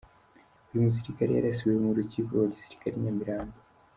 Uyu musirikare yarasiwe ku Rukiko rwa Gisirikare i Nyamirambo